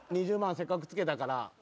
せっかくつけたから。